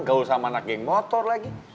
gaul sama anak geng kamu